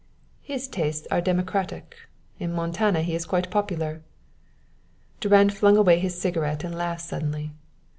"His tastes are democratic. In Montana he is quite popular." Durand flung away his cigarette and laughed suddenly.